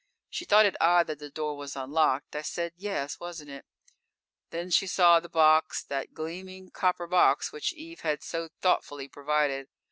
She thought it odd that the door was unlocked. I said, yes, wasn't it. Then she saw the box, that gleaming copper box which Eve had so thoughtfully provided.